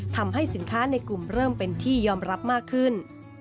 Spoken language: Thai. ทำให้สินค้าในกลุ่มเริ่มเป็นที่ยอมรับมากขึ้น